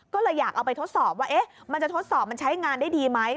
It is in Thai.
ก็เลยอยากเอาไปทดสอบว่ามันจะทดสอบมันใช้งานได้ดีไหม